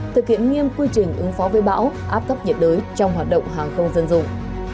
thực hiện nghiêm quy trình ứng phó với bão áp thấp nhiệt đới trong hoạt động hàng không dân dụng